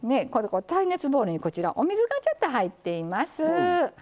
耐熱ボウルにこちらお水がちょっと入っています。